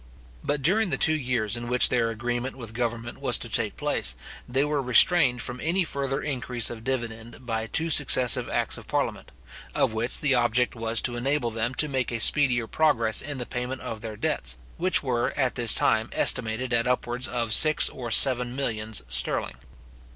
But during the two years in which their agreement with government was to take place, they were restrained from any further increase of dividend by two successive acts of parliament, of which the object was to enable them to make a speedier progress in the payment of their debts, which were at this time estimated at upwards of six or seven millions sterling.